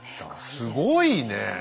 すごいねえ。